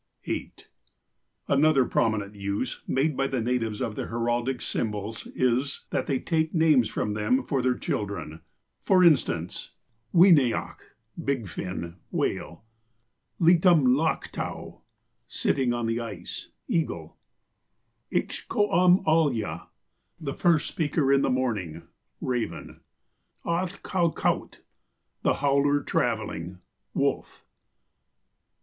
" (8) Another prominent use, made by the natives of their heraldic symbols is, that they take names from them for their children ; for instance, Wee nay ach, ' big fin ' (whale), Lee tahm lach taou, 'sitting on the ice' (eagle), Iksh co am alyah, 'the first speaker in the morning ' (raven), Athl kah kout, ' the howler travelling' (wolf).